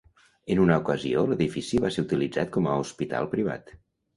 En una ocasió, l'edifici va ser utilitzat com a hospital privat.